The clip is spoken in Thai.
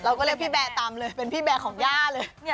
เรียกพี่แบร์ตามเลยเป็นพี่แบร์ของย่าเลย